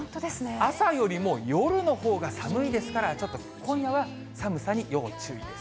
朝よりも夜のほうが寒いですから、ちょっと今夜は寒さに要注意です。